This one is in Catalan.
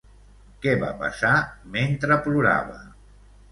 Què va passar mentre plorava?